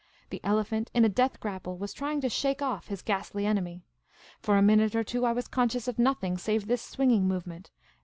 The elephant, in a death grapple, was trying to shake off his ghastly enemy. For a minute or two, I was conscious of nothing save this swinging movement.